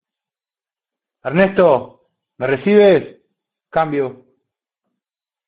Ernesto, ¿ me recibes? cambio.